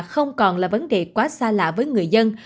không còn là vấn đề quá xa lạ với người dân